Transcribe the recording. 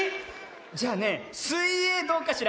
じゃあねすいえいどうかしら？